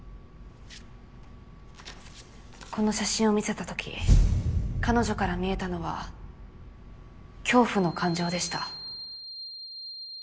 この写真を見せた時彼女から見えたのは「恐怖」の感情でした。